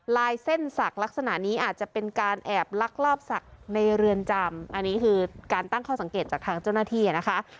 ลายเส้นศักดิ์ลักษณะนี้อาจจะเป็นการแอบลักลอบศักดิ์ในเรือนจำอันนี้คือการตั้งข้อสังเกตจากทางเจ้าหน้าที่นะคะ